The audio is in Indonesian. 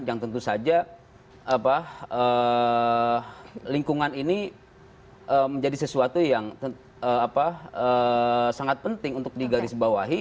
yang tentu saja lingkungan ini menjadi sesuatu yang sangat penting untuk digarisbawahi